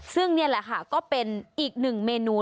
ซึ่งนี่แหละค่ะก็เป็นอีกหนึ่งเมนู